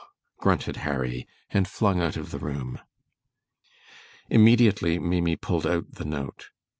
grunted Harry, and flung out of the room. Immediately Maimie pulled out the note.